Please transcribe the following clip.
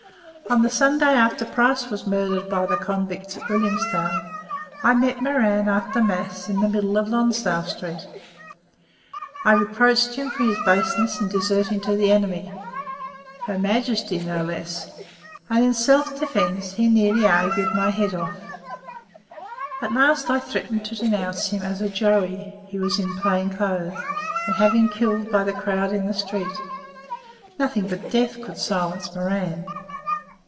On the Sunday after Price was murdered by the convicts at Williamstown I met Moran after Mass in the middle of Lonsdale Street. I reproached him for his baseness in deserting to the enemy Her Majesty, no less and in self defence he nearly argued my head off. At last I threatened to denounce him as a "Joey" he was in plain clothes and have him killed by the crowd in the street. Nothing but death could silence Moran.